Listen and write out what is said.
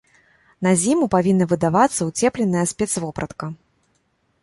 На зіму павінна выдавацца ўцепленая спецвопратка.